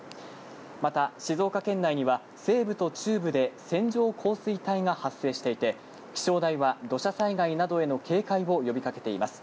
また、静岡県内には、西部と中部で線状降水帯が発生していて、気象台は土砂災害などへの警戒を呼びかけています。